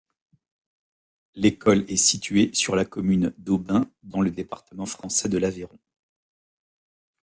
L'école est située sur la commune d'Aubin, dans le département français de l'Aveyron.